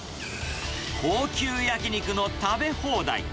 高級焼き肉の食べ放題。